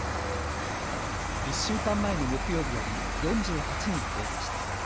１週間前の木曜日より４８人増えました。